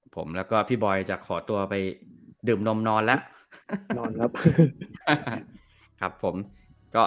ผมแล้วก็พี่บอย่าจะขอตัวไปดื่มนมนอนและ